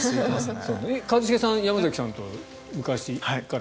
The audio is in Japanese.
一茂さんは山崎さんと昔から。